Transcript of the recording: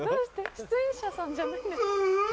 出演者さんじゃない？